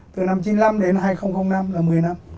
từ năm chín mươi năm đến hai nghìn năm là một mươi năm